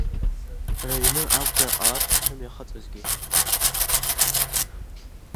Рыҩны акәзар ҟалап ҳахьымҩахыҵызгьы.